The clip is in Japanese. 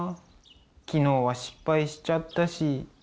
昨日は失敗しちゃったし。